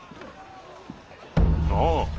ああ。